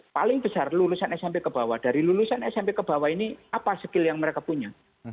paling besar lulusan smp ke bawah dari lulusan smp ke bawah ini apa skill yang mereka punya